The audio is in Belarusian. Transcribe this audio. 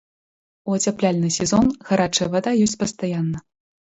У ацяпляльны сезон гарачая вада ёсць пастаянна.